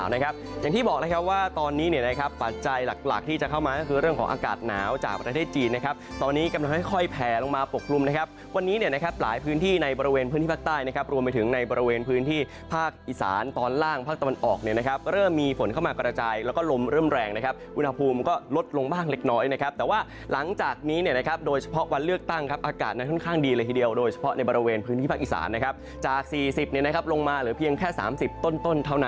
ในบริเวณพื้นที่ภาคใต้นะครับรวมไปถึงในบริเวณพื้นที่ภาคอีสานตอนล่างภาคตะวันออกเนี่ยนะครับเริ่มมีฝนเข้ามากระจายแล้วก็ลมเริ่มแรงนะครับวุฒาภูมิก็ลดลงบ้างเล็กน้อยนะครับแต่ว่าหลังจากนี้เนี่ยนะครับโดยเฉพาะวันเลือกตั้งครับอากาศนั้นค่อนข้างดีเลยทีเดียวโดยเฉพาะในบริเวณ